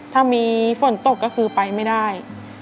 ถ้ามีฝนตกก็คือไปไม่ได้